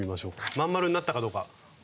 真ん丸になったかどうか。